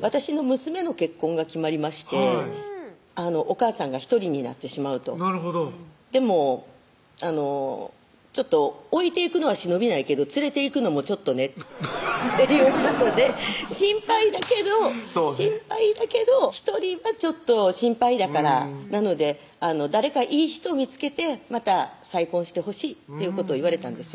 私の娘の結婚が決まりまして「お母さんが１人になってしまう」となるほどでもあの「置いていくのは忍びないけど連れていくのもちょっとね」ということで心配だけどそうね心配だけど１人は心配だからなので「誰かいい人見つけてまた再婚してほしい」ということを言われたんですよ